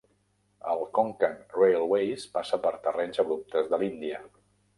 El Konkan Railways passa per terrenys abruptes de l'Índia.